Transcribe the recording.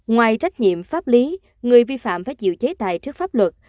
ngoài trách nhiệm pháp lý người vi phạm phải chịu chế tài trước pháp luật